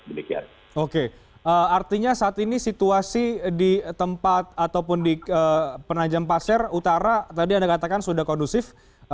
oke artinya saat ini situasi di tempat ataupun di penajam pasir utara tadi anda katakan sudah kondusif